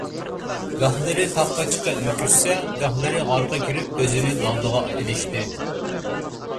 گاھىلىرى تاغقا چىقىپ مۆكۈشسە، گاھىلىرى غارغا كىرىپ ئۆزىنى دالدىغا ئېلىشتى.